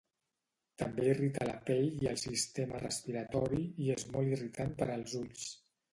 També irrita la pell i el sistema respiratori, i és molt irritant per als ulls.